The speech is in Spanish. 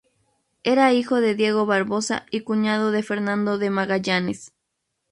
Era hijo de Diego Barbosa y cuñado de Fernando de Magallanes.